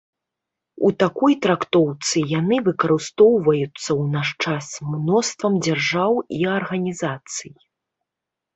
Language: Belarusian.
У такой трактоўцы яны выкарыстоўваюцца ў наш час мноствам дзяржаў і арганізацый.